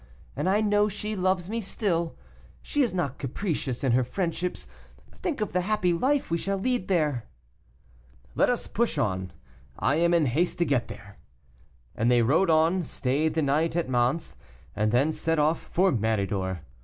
And I know she loves me still; she is not capricious in her friendships. Think of the happy life we shall lead there." "Let us push on; I am in haste to get there," and they rode on, stayed the night at Mans, and then set off for Méridor.